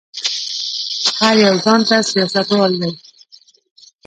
هر يو ځان ته سياستوال دی.